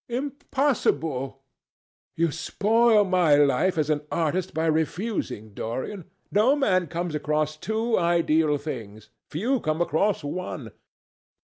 "Impossible!" "You spoil my life as an artist by refusing, Dorian. No man comes across two ideal things. Few come across one."